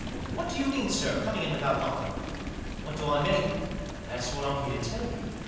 201 "What do you mean, sir, coming in without knocking ?"" What do I mean ? That's what Pm here to tell you.